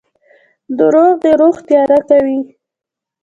• دروغ د روح تیاره کوي.